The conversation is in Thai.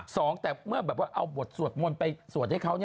สองแต่เมื่อแบบว่าเอาบทสวดมนต์ไปสวดให้เขา